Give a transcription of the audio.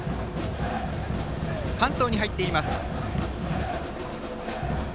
関東に入っています。